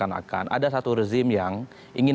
dia avokasi bersama youngsters